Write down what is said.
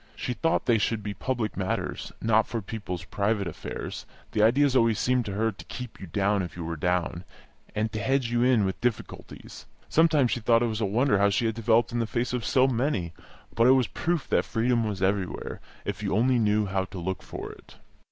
She thought they should be for public matters, not for people's private affairs; the idea always seemed to her to keep you down if you were down, and to hedge you in with difficulties. Sometimes she thought it was a wonder how she had developed in the face of so many; but it was a proof that freedom was everywhere, if you only knew how to look for it.